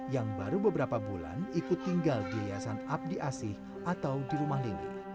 yang baru beberapa bulan ikut tinggal di yayasan abdi asih atau di rumah lini